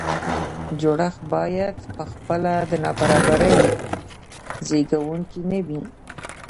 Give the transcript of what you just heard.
جوړښت باید په خپله د نابرابرۍ زیږوونکی نه وي.